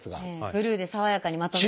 ブルーで爽やかにまとまって。